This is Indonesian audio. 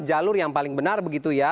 jalur yang paling benar begitu ya